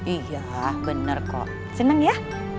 iya bener kok seneng ya